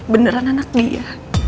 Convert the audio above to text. beneran anak dia